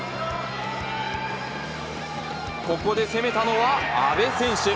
ここで攻めたのは、阿部選手。